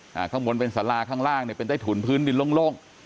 ข้างบนเป็นสาราข้างล่างเนี่ยเป็นใต้ถุนพื้นดินโล่งโล่ง